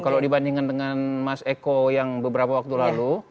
kalau dibandingkan dengan mas eko yang beberapa waktu lalu